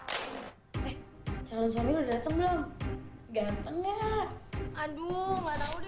aduh gak tau deh